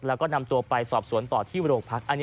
แล้วก็นำตัวไปสอบสวนต่อที่โรงพัก